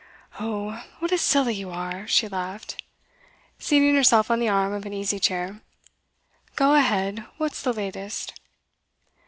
'Oh, what a silly you are!' she laughed, seating herself on the arm of an easy chair. 'Go ahead! What's the latest?